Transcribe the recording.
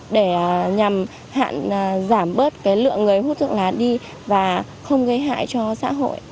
để nhằm hạn giảm bớt lượng người hút thuốc lá đi và không gây hại cho xã hội